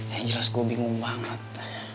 yang jelas gue bingung banget